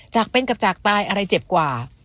จากเป็นกับจากตายอะไรเจ็บกว่า